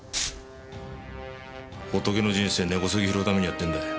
仏の人生根こそぎ拾うためにやってんだよ。